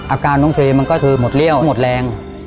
อาการน้องเคมันก็คือหมดเรี่ยวหมดแรง